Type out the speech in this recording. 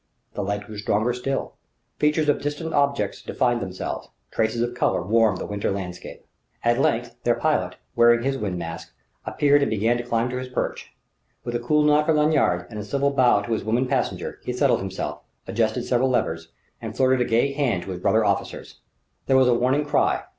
The light grew stronger still: features of distant objects defined themselves; traces of colour warmed the winter landscape. At length their pilot, wearing his wind mask, appeared and began to climb to his perch. With a cool nod for Lanyard and a civil bow to his woman passenger, he settled himself, adjusted several levers, and flirted a gay hand to his brother officers. There was a warning cry.